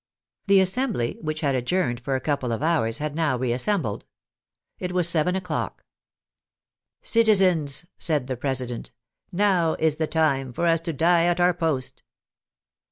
The Assembly, which had adjourned for a couple of hours, had now reassembled. It was seven o'clock. " Citizens," said the President, " now is the time for us to die at our post."